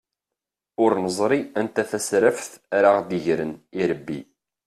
Ur neẓri anta tasraft ara aɣ-d-igren irebbi.